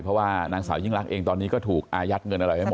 เพราะว่านางสาวยิ่งรักเองตอนนี้ก็ถูกอายัดเงินอะไรไม่หมด